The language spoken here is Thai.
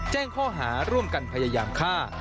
แจ้งข้อหาร่วมกันพยายามฆ่า